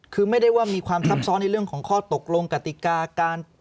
คือไม่ได้ว่ามีความซับซ้อนในเรื่องของข้อตกลงกติกาการ